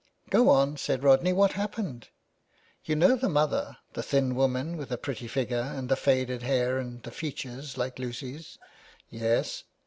" Go on," said Rodney, " what happened ?"" You know the mother, the thin woman with a pretty figure and the faded hair and the features like Lucy's ?" "Yes."